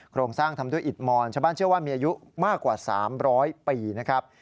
โครงสร้างทำด้วยอิดมอนชาวบ้านเชื่อว่ามีอายุมากกว่า๓๐๐ปีนะครับ